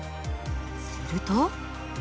すると。